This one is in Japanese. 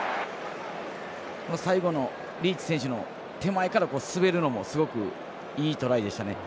最後のリーチ選手の手前から滑るのもすごくいいトライでしたね。